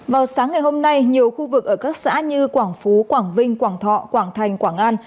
vào sáng ngày hôm nay nhiều khu vực ở các xã như quảng phú quảng vinh quảng thọ quảng thành quảng an